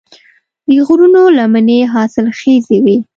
د غرونو لمنې حاصلخیزې وي.